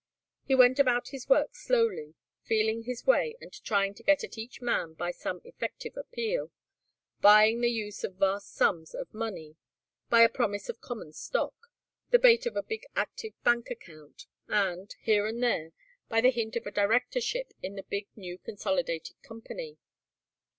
He went about his work slowly, feeling his way and trying to get at each man by some effective appeal, buying the use of vast sums of money by a promise of common stock, the bait of a big active bank account, and, here and there, by the hint of a directorship in the big new consolidated company.